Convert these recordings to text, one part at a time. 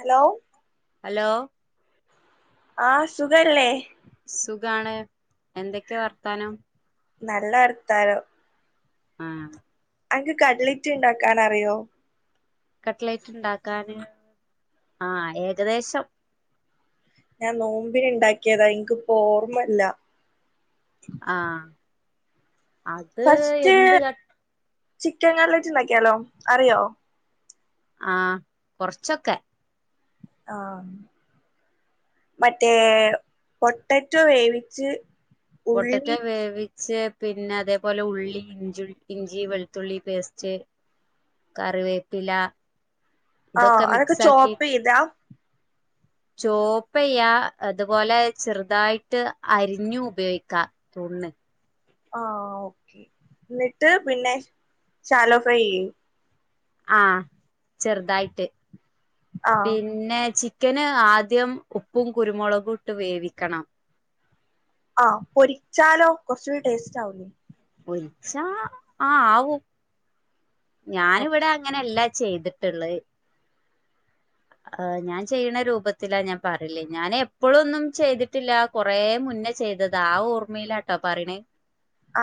Hello hello ആഹ് സുഖല്ലേ സുഖാണ് എന്തൊക്കെ വർത്താനം നല്ല വർത്താനം ആഹ് അനക് കട്ലൈറ്റ് ഇണ്ടാക്കാൻ അറിയോ കട്ട്ലൈറ്റ് ഇണ്ടാക്കാന് ആ ഏകദേശം ഞാൻ നോമ്പിന് ഇണ്ടാക്കിയതാ എൻക്കിപ്പോ ഓർമ്മില്ല ആഹ് അത് ഫസ്റ്റ് എന്ത് ക ചിക്കൻ കട്ലൈറ്റ് ഇണ്ടാക്കിയാലോ അറിയോ ആ കൊറച്ചൊക്കെ ആഹ് മറ്റേ പൊട്ടറ്റോ വേവിച്ച് പൊട്ടറ്റോ ഉള്ളി വേവി പിന്നെ അതേപോലെ ഉള്ളി ഇഞ്ചി ഇഞ്ചി വെളുത്തുള്ളി പേസ്റ്റ് കറിവേപ്പില ആഹ് ഇതൊക്കെ അതൊക്കെ മിക്സ് ചോപ്പ് ആക്കിട്ട് ചെയ്താ ചോപ്പെയ്യാ അതുപോലെ ചെറുതായിട്ട് അരിഞ്ഞു ഉപയോഗിക്ക തോന്നേ ആ ഓക്കെ എന്നിട്ട് പിന്നെ ശാലോ ഫ്രൈ ചെയ്യും ആഹ് ചെറുതായിട്ട് ആഹ് പിന്നെ ചി ക്കന് ആദ്യം ഉപ്പും കുരുമുളകും ഇട്ട് വേവിക്കണം ആഹ് പൊരിച്ചാലോ കുറച്ചൂടി ടേസ്റ്റ് ആവീലേ പൊരിച്ചാ ആഹ് ആവും ഞാനിവിടെ ഓക്കെ അങ്ങനെ അല്ല ചെയ്തിട്ടുള്ളത് ഞാൻ ചെയ്യണ രൂപത്തിലാ ഞാൻ പറലേ ഞാൻ എപ്പോഴൊന്നും ചെയ്തിട്ടില്ല കൊറേ മുന്ന ചെയ്തതാ ആ ഓർമ്മയിലാട്ടോ പറീണ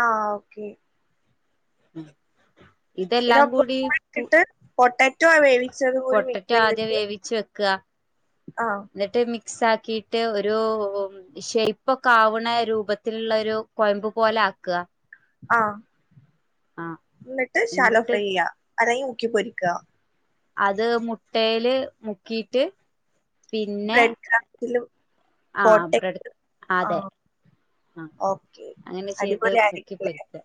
ആഹ് ഓക്കെ ഉം ഇതെല്ലാം കൂടി ട്ടിട്ട് പൊട്ടറ്റൊ വേവിച്ചത് കൂടി മിക് പൊട്ടറ്റോ ആദ്യം ചെയ്തിട്ട് ആഹ് ന്നിട്ട് മിക്സാക്കിട്ട് ഒരൂ ഒ ഇ ഷെയ്പ്പൊക്കാവ്‌ണെ രൂപത്തില്ള്ളരു കൊയമ്പ് പോലാക്ക ആഹ് ന്ന്ട്ട് ശാലൊ എന്നിട്ട് ഫ്രൈയെയ്യ അലെങ്കി മുക്കി പൊരിക്ക അത് മുട്ടേല് മുക്കീട്ട് പിന്നെ ബ്രെഡ് ക്രാഫ്റ്റിലും ആഹ് കോട്ടയും ബ്രഡ് അതെ ആഹ് അ ഓക്കെ അങ്ങനെ ചെയ്ത് അടിപൊളി മുക്കി പൊരിക്ക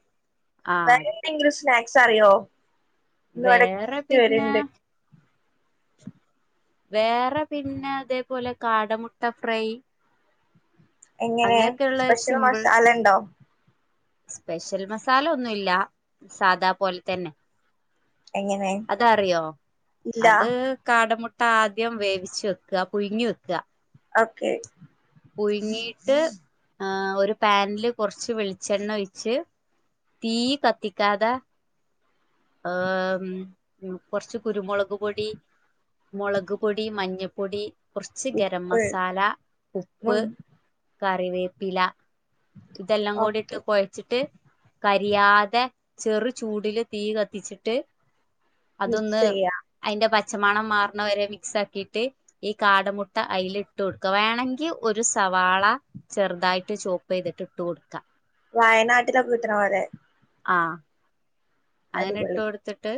ആത് ന്തെങ്കിലും സ്നാക്സറിയോ? ന്ന് ‌വിടെ വേറെ റ്റ് പിന്നെ വര്ണ്ട് വേറെ പിന്ന തേ പോലെ കാടമുട്ട ഫ്രൈ എങ്ങനെ? അങ്ങനെയൊക്കെയുള്ള സ്പെഷൽ മഷാല ണ്ടോ? സ്പെഷൽ മസാല ഒന്നുല്ല സാദാ പോൽ തന്നെ എങ്ങനെ അതറിയോ? ഇല്ല അത് കാടമുട്ട ആദ്യം വേവിച്ച് വെക്ക പുഴുങ്ങി വെക്ക ഓക്കെ പുഴ്ങ്ങീട്ട് അ ഒരു പാൻല് കൊർച്ച് വെൾച്ചെണ്ണൊയിച്ച് തീ കത്തിക്കാതാ ആഹ് ഉം കൊർച്ച് കുരുമുളക് പൊടി മൊളക് പൊടി മഞ്ഞപ്പൊടി കൊർച്ച് ഗരം ഉപ്പ് മസാല ഉപ്പ് ഉം കറിവേപ്പില ഇതെല്ലം കൂടിട്ട് ഓക്കെ കൊയച്ചിട്ട് കരിയാതെ ചെറു ചൂടില് തീ കത്തിച്ചിട്ട് മിക്സ് അതൊന്ന് ചെയ്യാ അയിന്റെ പച്ചമണം മാർണവരെ മിക്സാക്കീട്ട് ഈ കാടമുട്ട അയില്ട്ടൊടുക്ക വേണെങ്കി ഒരു സവാള ചെർതായിട്ട് ചോ പ്പെയ്തിട്ട് ട്ട് കൊടുക്ക വയനാട്ടിലൊക്ക്ട്ട്ണ പോലെ ആഹ് അങ്ങനെ ട്ട് അടിപൊളി കൊട്ത്ത്ട്ട്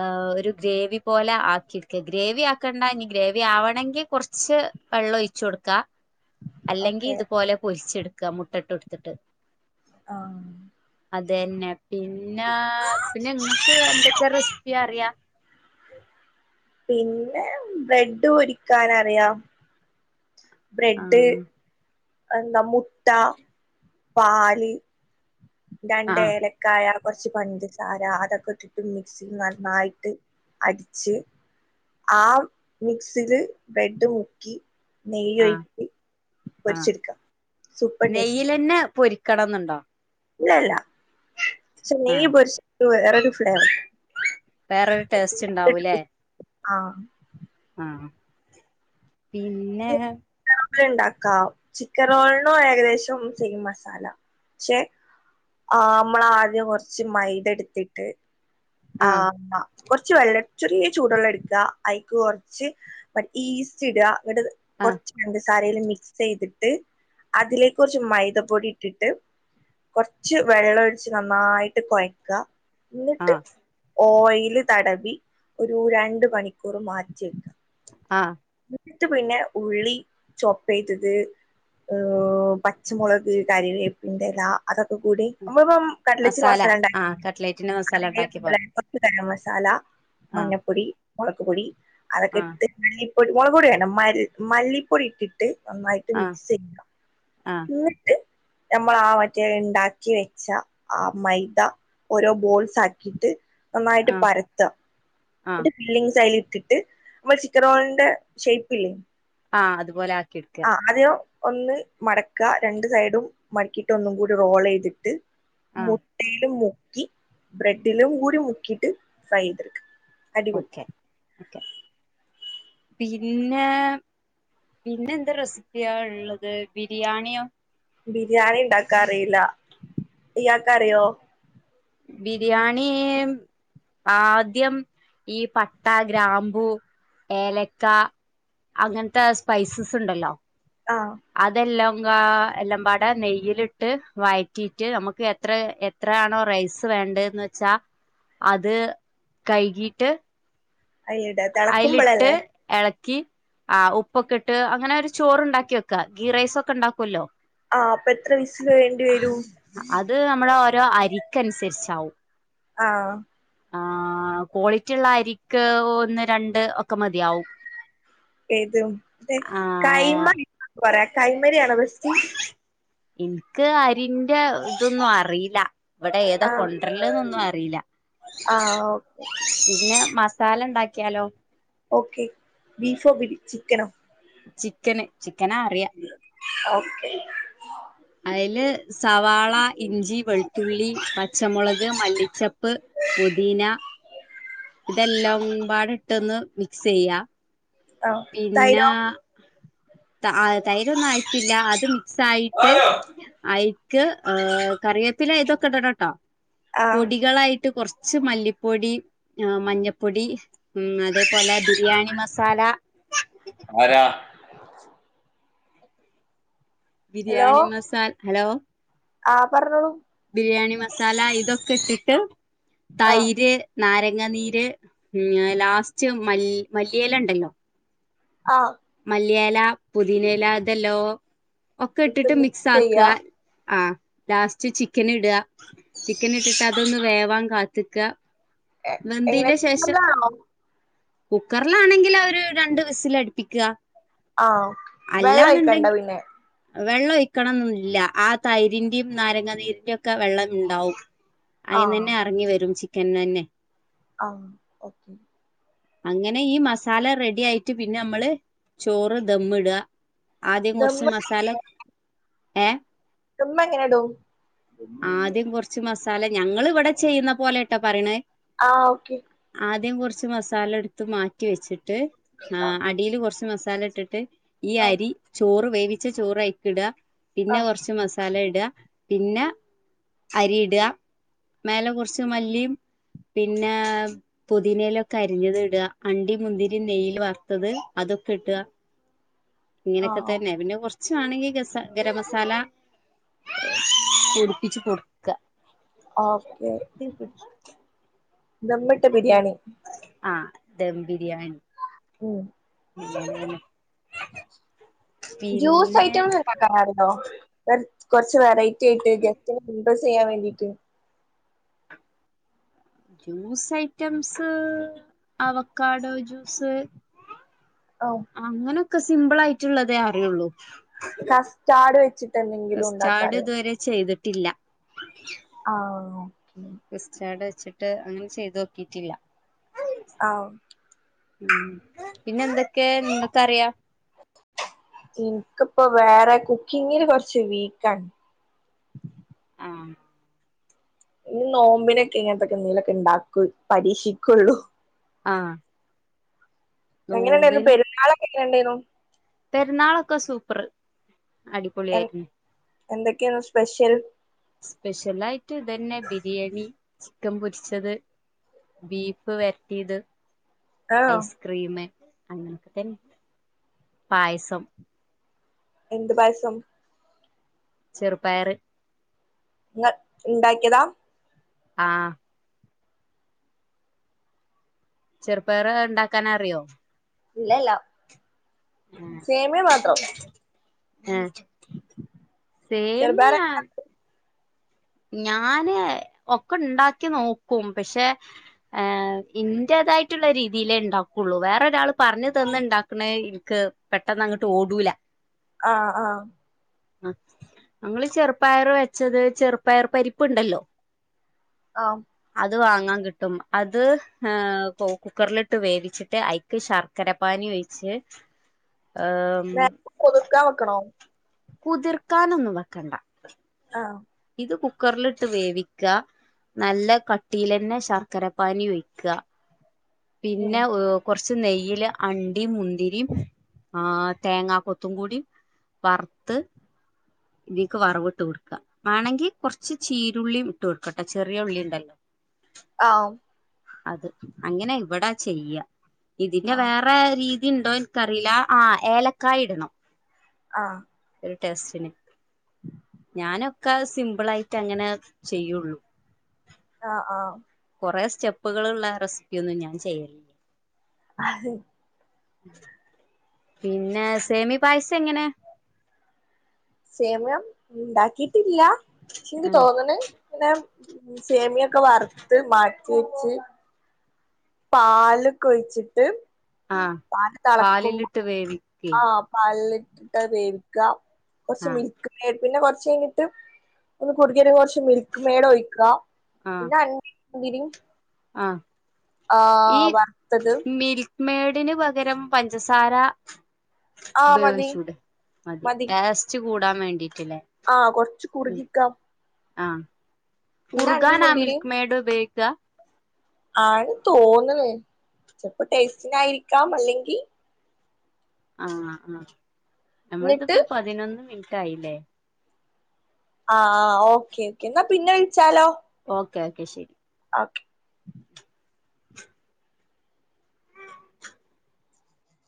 ഏ ഒരു ഗ്രേവി പോലെ ആക്കിടുക്ക ഗ്രേവി ആക്കണ്ട ഇനി ഗ്രേവി ആവണെങ്കി കൊർച്ച് വെള്ളൊയിച്ചൊടുക്കാ അല്ലെങ്കി ഓക്കെ തുപോലെ പൊരി ച്ചെടുക്ക മുട്ടട്ടൊട്ത്തിട്ട് ആഹ് അതന്നെ പിന്നാ പിന്നെ ങ്ങക്ക് ന്തൊക്കെ റെസിപ്പി അറിയാ? പിന്നെ ബ്രെഡ് പൊരിക്കാാനറിയാം ബ്രെഡ് ആഹ് എന്താ മുട്ട പാല് ആഹ് രണ്ടേല ക്കായ കൊർച്ച് പഞ്ചസാര അതൊക്കെട്ടിട്ട് മിക്സിൽ നന്നായിട്ട് അടിച്ച് ആ മിക്സില് ബെഡ് മുക്കി ആഹ് നെയ്യൊയ്ച് പൊരിച്ചെടുക്കാ സൂപ്പർ ടേസ്റ്റി പിന്നെ പൊരി ക്കണന്നുണ്ടോ? ല്ലല്ല ക്ഷെ ആഹ് നെയ്യ് പൊരിച്ച വേറൊരു ഫ്ലേവ വേറൊരു ടേസ്റ്റ് ണ്ടാവൂലേ? ആഹ് ആഹ് പിന്നെ ഒക്കെണ്ടാക്കാം ചിക്കൻ റോളിനോ ഏകദേശം സെയിം മസാല ക്ഷെ ആഹ് മ്മളാദ്യം കൊർച്ച് മൈദെടുത്തിട്ട് ആഹ് അ കൊർച്ച് വെള്ള ചെറിയ ചൂടുെള്ളടുക്ക അയിക്ക് കൊർച്ച് പടി ഈസ്റ്റ് ട ന്ന്ട്ട് ആഹ് കൊർച്ച് [unintelligible] കറീല് മിക്സെയ്തിട്ട് അതിലേക്കൊർച്ച് മൈദ പൊടിട്ടിട്ട് കുറച്ച് വെള്ളം ഒഴച്ച് നന്നായിട്ട് കൊഴക്ക എന്നിട്ട് ആഹ് ഓയില് തടവി ഒരു രണ്ട് മണിക്കൂർ മാറ്റി വെക്ക ആഹ് ഇട്ട പിന്നെ ഉള്ളി ചൊപ്പ ചെയ്തത് പച്ചമുളക് കറിവേപ്പിന്റെ ഇല അതൊക്കെ കൂടി നമ്മളിപ്പം കടലച്ചി മസാല ആഹ് ഉണ്ടാക്ക കട്ട്ലേറ്റിന്റെ മസാല ഉണ്ടാക്കിയ അതല പോലെ കരം മസാല ആഹ് മഞ്ഞപ്പൊടി മുളക് പൊടി അതൊക്കെ ആഹ് കുരു മുളക് പൊടി മ മല്ലിപ്പൊടി ഇട്ടിട്ട് നന്നായിട്ട് ആഹ് മിക്സ് ചെയ്യുക ആഹ് ന്നിട്ട് നമ്മള് ആഹ് മറ്റേണ്ടാക്കി വെച്ച ആഹ് മൈദ ഓരോ ബോൾസാക്കിയിട്ട് നന്നായിട്ട് ആഹ് പരത്താ ആഹ് ന്ന്ട്ട് ഫില്ലിങ്സ് അയില് ഇട്ടിട്ട് നമ്മളൊരു ചിക്കൻറോളിന്റെ ഷേ്പ് ഇല്ലേ ആഹ് അതുപോല ആക്കിടുക്ക് ആദ്യം ഒന്ന് മടക്കാ രണ്ട് സൈഡും മടക്കിയിട്ട് ഒന്നും കൂടി റോള്യ്തിട്ട് ആഹ് മുട്ടയ്ല് മുക്കി ബ്രെഡിലും കൂടി മുക്കിട്ട് ഫ്രൈയ്തടുക്ക ഓക്കെ ഓക്കെ പിന്നെ പിന്നെ എന്ത്‌ റെസിപ്പിയാ ഒള്ളത് ബിരിയാണിയോ ബിരിയാണി ഇണ്ടാക്കാൻ അറിയില്ല ഇയാക്കറിയോ ബിരിയാണീ ആദ്യം ഈ പട്ട ഗ്രാമ്പൂ ഏലക്ക അങ്ങൻത്തെ സ്പൈസസ് ഉണ്ടല്ലോ ആഹ് അതെല്ലാം ഗാ എല്ലാം പാടെ നെയിലിട്ട് വയറ്റിയിറ്റ് നമക്ക് എത്ര എ ത്രയാണോ റൈസ് വേണ്ട്ന്ന് വെച്ചാ അത് കൈകിട്ട് [unintelligible] അയിലിട്ട് എളക്കി ആഹ് ഉപ്പൊക്കട്ട് അങ്ങനെ ഒരു ചോറ് ണ്ടാക്കി വെക്കാ ഗീ റൈസ് ഒക്കെ ണ്ടാക്കുല്ലോ ആഹ് അപ്പൊ എത്ര വിസില് വേണ്ടി വരും അത് നമ്മളെ ഓരോ അരിക്ക് അനുസരിച്ചാവും ആഹ് ആഹ് ക്വാളിറ്റിള്ള അരിക്ക് ഒന്ന് രണ്ട് ഒക്കെ മതിയാവും ഏത് ഒത്തെ ആ കൈമ [unintelligible] പറയാ കൈമരി ആണോ ബസ്റ്റ് ഇൻക് അരിന്റെ ഹ് ഇതൊന്നും അറിയില്ല ഇവ്ടെ ഏതാ ആഹ് കൊണ്ടര്ല്ന്നൊന്നും അറിയില്ല ആഹ് ഓക്കെ പിന്നെ മസാലണ്ടക്കിയാലോ ഓക്കെ ബീഫോ ബി ചിക്കനോ ചിക്കന് ചിക്കനാ അറിയ ഓക്കെ അയ്ല് സവാള ഇഞ്ചി വെൾത്തുള്ളി പച്ചമുളക് മല്ലിച്ചപ്പ് പൊതിനാ തെല്ലാം പാടെട്ടൊന്ന് മിക്സേയ്യാ ആഹ് പിന്നെ തൈരോ ത അഹ് തൈരൊന്നും ആയിട്ടില്ല അത് മിക്സായിട്ട് ആയി യിക്ക് ആഹ് കറിവേപ്പില ഇതൊക്കെ ഇടണട്ടൊ ആഹ് പൊടികളായിട്ട് കുറ കുറച്ച് മല്ലിപ്പൊടി ഹ് മഞ്ഞപ്പൊടി ഉഹ്മ് അതേപോലെ ബിരിയാണി മസാല ആരാ ഹലോ ബിരിയാണി മസാൽ ഹലോ ആഹ് പറഞ്ഞോളൂ ബിരിയാണി മസാല ഇതൊക്കെ ഇട്ടിട്ട് ആഹ് തൈര് നാരങ്ങ നീര് ഉഹ്മ് ലാസ്റ്റ് മല്ലി മല്ലിയെല ണ്ടല്ലോ ആഹ് മല്ലിയല പുതിനെല ഇതെല്ലോ ഒക്കെ ഇട്ട് ഇട്ടിട്ട് മിക്സ് ചെയ്യാ ആക്കാ ആഹ് ലാസ്റ്റ് ചിക്കന് ഇടാ ചിക്കന് ഇട്ടിട്ട് അതൊന്ന് വേവാൻ കാത്ത്‌ക്കാ എങ്ങനെ വന്തയ്ന്റെ ശേഷം കുക്കറിലാണോ കുക്കറിലാണെങ്കിൽ അഹ് ഒര് രണ്ട് വിസല് അടിപ്പിക്കാ ആഹ് വെള്ളം ഒഴിക്കണ്ട പിന്നെ വെള്ളം ഒഴിക്കണംന്നില്ല ആഹ് തൈരിന്റിം നാരങ്ങനീരിന്റി ഒക്കെ വെള്ളം ഇണ്ടാവും ആഹ് അയിനന്നെ എറങ്ങി വരും ചിക്കന്ന്നന്നെ ആഹ് ഓക്കെ അങ്ങനെ ഈ മസാല റെഡിയായിട്ട് പിന്നെ നമ്മള് ചോറ് ദമ്മ് ഇടാ ആദ്യം കുറച്ച് ദമ്മ് മസാല ഏഹ് ദമ്മ്ങ്ങനെടും ആദ്യം കൊറച്ച് മസാല ഞങ്ങള് ഇവിടെ ചെയ്യുന്ന പോലെട്ടോ പറിണേ ആഹ് ഓക്കെ ആദ്യം കൊർച്ച് മസാലെട്ത്ത് മാറ്റി വെച്ചിട്ട് ആ ആഹ് അടീല് കൊറച്ച് മസാലട്ടിട്ട് ഈ ആഹ് അരി ചോറ് വേവിച്ച ചോറൈൽക്കിട പിന്നെ ആഹ് കൊറച്ച് മസാലെട പിന്ന അരിയിട മേലെ കൊറച്ച് മല്ലിയും പിന്നെ പുതിനേയിലൊക്കെ അരിഞ്ഞത്ട അണ്ടീം മുന്തിരീം നെയ്യില് വറുത്തത് അതൊക്കെ ഇട ഇങ്ങനെക്കെ ആഹ് തന്നെ പിന്നെകൊർ കുച്ച ആണെങ്കി ഗസ ഗരമസാല പൊടിപ്പിച്ച് കൊടുക്ക ഓക്കെ [unintelligible] ദമ്മിട്ട ബിരിയാണി ആഹ് ദം ബിരിയാണി ഉം [unintelligible] ജ്യൂസ് പിന്നെ ഐറ്റംസ്ണ്ടാക്കാനറിയോ കൊറ കൊറച്ച് വെറൈറ്റ്യായിട്ട് ഗസ്റ്റ്നെ ഇപ്പ ചെയ്യാൻ വേണ്ടിട്ട് ജ്യൂസ് ഐറ്റംസ് അവക്കാഡോ ജ്യൂസ് ഓ അങ്ങനൊക്കെ സിമ്പിളായിറ്റ്ള്ളതേ അറിയൊള്ളൂ കസ്റ്റാർഡ് വെച്ചിട്ട് എന്തെങ്കിലും കസ്റ്റാർഡ് ഉണ്ടാക്കാറ്‌യോ? ഇതുവരെ ചെയ്തിട്ടില്ല ആഹ് ഓക്കെ കസ്റ്റാട് വെച്ചിട്ട് അങ്ങനെ ചെയ്തോക്കീറ്റില്ല ആഹ് ഉം പിന്നെന്തൊക്കെ നിങ്ങക്കറിയാം ഇൻക്കിപ്പൊ വേറെ കുക്കിങ്ങില് കൊറച്ച് വീക്കാണ് ആഹ് ഇനി നോമ്പിനൊക്കെ ഇങ്ങൻത്തൊക്കെ എന്തേലൊക്കെണ്ടാക്കൊളൂ പരീക്ഷിക്കുള്ളു ആഹ് എങ്ങനെണ്ടെയ്ന്നു നോമ്പിന് പെരുന്നാളൊക്കെ എങ്ങനെണ്ടെയ്ന്നു? പെരുന്നാളൊക്കെ സൂപ്പർ എ അടിപൊളിയായിരുന്നു എന്തൊക്കെയാണ് സ്പെഷ്യൽ? സ്പെഷ്യലായിറ്റ് ഇതന്നെ ബിരിയാണി ചിക്കംപൊരിച്ചത് ബീഫ് വരട്ടിയത് ആഹ് ഐസ്ക്രീം അങ്ങനൊക്കതന്നെ പായസം എന്ത് പായസം? ചെറുപയറ് ങ്ങ ഇണ്ടാക്കിയേതാ? ആഹ് ചെറുപയറ് ഇണ്ടാക്കാനറ്‌യോ? ഇല്ലേല്ല സേമിയ മാത്രം ഏഹ് ചെറുപയർ സേമിയാ ഞാന് ഒക്കെണ്ടാക്കി നോക്കും പക്ഷെ ഇന്റേതായിട്ടുള്ള രീതിയിലേണ്ടാക്കുള്ളു വേറൊരാള് പറഞ്ഞു തന്ന്ണ്ടാക്ക്ണേ ഇൻക്ക് പെട്ടെന്നങ്ങട്ട് ഓടൂല ആഹ് ആഹ് അഹ് ഞങ്ങള് ചെറുപയർ വെച്ചത് ചെറു ചെറുപയർപരിപ്പ്ണ്ടല്ലോ ഒഹ് അത് വാങ്ങാൻ കിട്ടും അത് ഹ് കുക്കറിലിട്ട് വേവിച്ചിട്ട് അയ്യ് ക്ക് ശർക്കര പാനി ഒഴിച്ച് ഹ് നേർത്തെ കുതിർക്കാൻ വെക്കണോ കുതിർക്കാനൊന്നും വെക്കണ്ട ആഹ് ഇത് കുക്കറിലിട്ട് വേവിക്ക നല്ല കട്ടീലെന്നെ ശർക്കര പാനി ഒയ്ക്കാ ഉം പിന്നെ ഹ് കൊറച്ച് ച് നെയ്യ്ല് അണ്ടി മുന്തിരിം ആഹ് തേങ്ങ കൊത്തും കൂടി വറ് ത്ത് ഇതീക്ക് വറവ് ഇട്ട് കൊടുക്കാ വാണങ്കി കൊറച്ച് ചീരുള്ളി ഇട്ട് കൊടുക്കട്ടെ ചെറിയ ഉള്ളി ഇണ്ടല്ലോ ആം അത് അങ്ങനെ ഇവിടാ ചെയ്യാ ഇതിന്റെ ആഹ് വേറെ റെ രീതി ഇണ്ടോ ഇൻക്കറീലാ ആ ഏലക്കായി ഇടണം ആഹ് ഒരു ടെസ്റ്റിന് ഞാനൊക്കെ സിമ്പ്ളായിറ്റ അങ്ങനെ ചെയ്യുള്ളൂ ആഹ് ആഹ് കുറേ സ്റ്റെപ്പുകള്ള്ള റെസ്പ്പി ഒന്നും ഞാൻ ചെയ്യലില്ല അഹ് പിന്നെ സേമിയ പായസം എങ്ങനെ സേമിയം ഇണ്ടാക്കിട്ടില്ല ശ് ഇൻക് ആ തോന്ണ് ഇങ്ങനെ സേമിയം ഒക്കെ വറുത്ത് മാറ്റി വെച്ച് പാല് കൊഴിച്ചിട്ട് ആ പാല് തെളക്കുമ്പോ പാലിലിട്ട് വേവിക്കേ ആഹ് പാൽ ലിട്ട്ട്ടാ വേവിക്കാ കൊറച്ച് ആ മിൽക്ക് പിന്നെ കൊറച്ചയ്ഞ്ഞിട്ട് ഒന്ന് കുറികിവെരാൻ കൊറച്ച് മിൽ ക്ക് മേട് ഒഴിക്കാ പിന്നെ അണ്ടി മുന്തിരി ആഹ് ഈ വറുത്തത് മിൽക്ക് മേടിന് പകരം പഞ്ചസാര ആഹ് മതി ഉപയോഗിച്ചൂടെ മതി ടേസ്റ്റ് കൂടാവേണ്ടിട്ടില്ലേ ആഹ് കൊറച്ച് കുറുകിക്കാം ആഹ് പിന്നെ അണ്ടിം കുർഗാനാ മുന്തിരിയും മിൽക്ക് മേട് ഉപയോഗിക്കാ ആണ് തോണ്ന് ചെലപ്പോ ടേസ്റ്റിനായിരിക്കാം അല്ലെങ്കി ആ ആ ന്നിട്ട് നഞമ്മളതിപ്പോ പതിനൊന്ന് മിനിറ്റ് ആയില്ലേ ആ ഓക്കേ ഓക്കേ എന്നാ പിന്നെ വിളിച്ചാലോ ഓക്കേ ഓക്കെ ശരി ഓക്കെ